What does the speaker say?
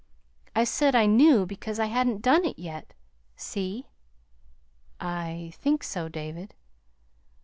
I said I knew because I hadn't DONE it yet. See?" "I think so, David."